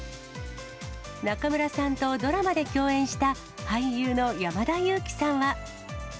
中村さんとドラマで共演した俳優の山田裕貴さんは。